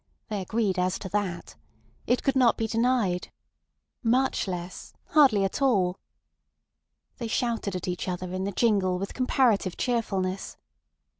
They agreed as to that. It could not be denied. Much less—hardly at all. They shouted at each other in the jingle with comparative cheerfulness.